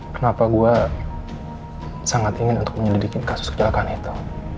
kenapa gue sangat ingin untuk menyelidiki kasus kecelakaan itu